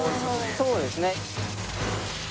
そうですね。